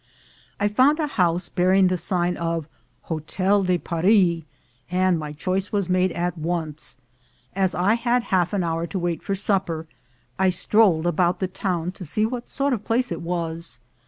I found a house bearing the sign of "Hotel de Paris," and my choice was made at once. As I had half an hour to wait for supper, I strolled about the town to see what sort of a place it was.